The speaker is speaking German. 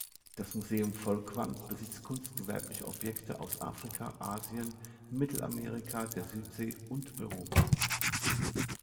Das Museum Folkwang besitzt kunstgewerbliche Objekte aus Afrika, Asien, Mittelamerika, der Südsee und Europa.